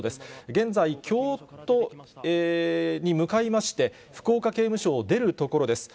現在、京都に向かいまして、福岡刑務所を出るところです。